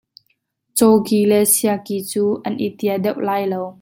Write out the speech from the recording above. Caw ki le sia ki cu an i tia deuh lai lo.